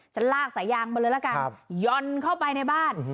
จะลากสายยางมาเลยละกันย่อนเข้าไปในบ้าน